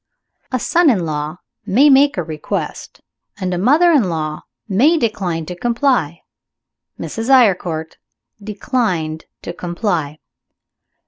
A son in law may make a request, and a mother in law may decline to comply. Mrs. Eyrecourt declined to comply.